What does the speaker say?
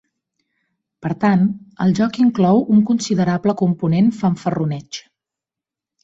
Per tant, el joc inclou un considerable component fanfarroneig.